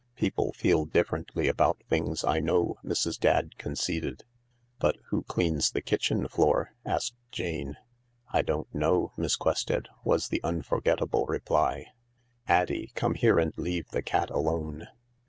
"People feel differently about things, I know," Mrs. Dadd conceded. " But who cleans the kitchen floor ?" asked Jane. " I don't know, Miss Quested," was the unforgettable reply. " Addie, come here and leave the cat alone."